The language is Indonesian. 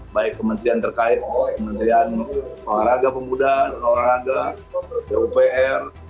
baik kementerian terkait kementerian kawal raga pemuda luar raga pupr